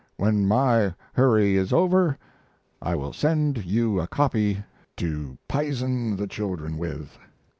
When my hurry is over, I will send you a copy to pisen the children with.